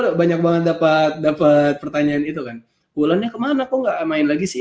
saya banyak banget dapat dapat pertanyaan itu kan bulannya kemana kok nggak main lagi sih